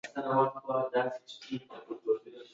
د پښتو ژبې د بډاینې لپاره پکار ده چې پردیو تقلید مخنیوی شي.